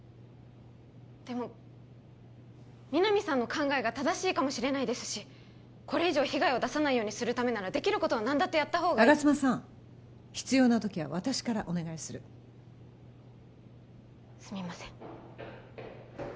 でも皆実さんの考えが正しいかもしれないですしこれ以上被害を出さないようにするためならできることは何だってやった方が吾妻さん必要な時は私からお願いするすみません